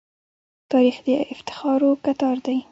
تاریخ د افتخارو کتار دی.